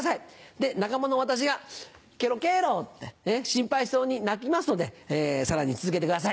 で仲間の私が「ケロケロ」って心配そうに鳴きますのでさらに続けてください。